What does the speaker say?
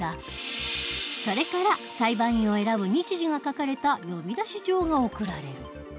それから裁判員を選ぶ日時が書かれた呼出状が送られる。